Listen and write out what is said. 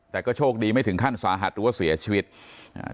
แต่ก็โชคดีไม่ถึงขั้นสาหัสหรือว่าเสียชีวิตอ่า